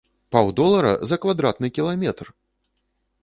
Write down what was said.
Паўдолара за квадратны кіламетр!